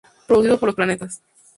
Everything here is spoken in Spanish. Producido por Los Planetas.